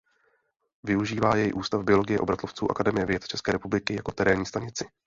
Využívá jej Ústav biologie obratlovců Akademie věd České republiky jako terénní stanici.